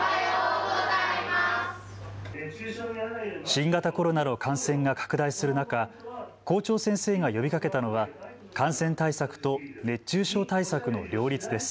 新型コロナの感染が拡大する中、校長先生が呼びかけたのは感染対策と熱中症対策の両立です。